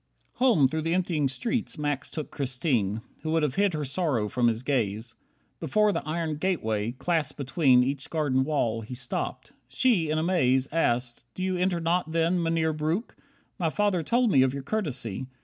26 Home, through the emptying streets, Max took Christine, Who would have hid her sorrow from his gaze. Before the iron gateway, clasped between Each garden wall, he stopped. She, in amaze, Asked, "Do you enter not then, Mynheer Breuck? My father told me of your courtesy.